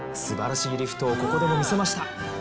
素晴らしいリフトをここでも見せました。